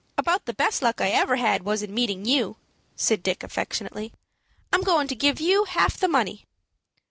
"About the best luck I ever had was in meeting you," said Dick, affectionately. "I'm goin' to give you half the money."